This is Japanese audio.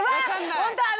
ホントあの。